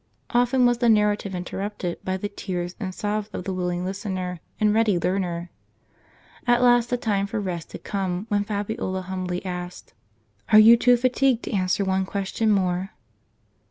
Often was the narrative interrupted by the tears and sobs of the willing listener and ready learner. At last the time for rest had come, when Fabiola humbly asked :" Are you too fatigued to answer one question more?"